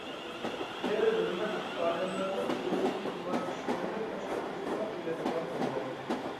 خېلى ھۆرمەتلىك ئادەملەرمۇ ئۆزىنىڭ قىلغان ئىشلىرىنى پەش قىلىشنىلا ئويلايدىغان بولۇۋالدى.